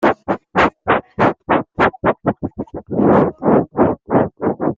Le musée intercommunal d'Étampes est installé en centre-ville dans une dépendance de l'hôtel-de-ville d'Étampes.